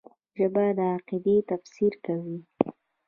ژبه د عقیدې تفسیر کوي